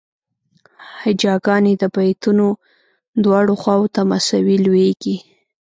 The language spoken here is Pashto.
هجاګانې د بیتونو دواړو خواوو ته مساوي لویږي.